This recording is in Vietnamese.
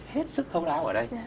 hết sức thấu đáo ở đây